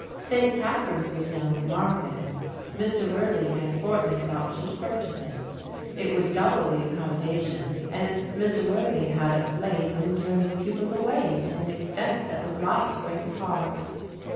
"St. Catherine's" was now in the market. Mr. Worthy had a fortnight's option to purchase it It 20 STORIES WITHOUT TEARS would double the accommodation, and Mr. Worthy had of late been turning pupils away to an extent that was like to break his heart.